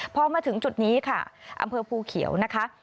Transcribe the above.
พอมาถึงจุดนี้ค่ะอำเภอภูเขียวนะคะ